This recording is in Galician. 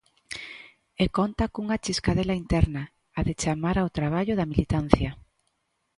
E conta cunha chiscadela interna, á de chamar ao traballo da militancia.